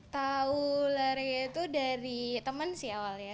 tahu larinya itu dari teman sih awalnya